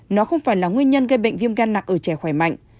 nó không phải là nguyên nhân gây bệnh viêm gan nặng ở trẻ khỏe mạnh